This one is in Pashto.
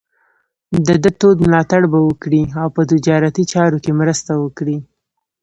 د ده تود ملاتړ به وکړي او په تجارتي چارو کې مرسته وکړي.